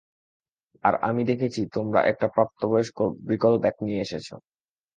আর আমি দেখছি তোমরা একটা প্রাপ্তবয়স্ক ব্রিকলব্যাক নিয়ে এসেছো।